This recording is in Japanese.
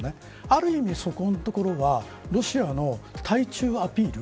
ある意味、そこのところがロシアの対中アピール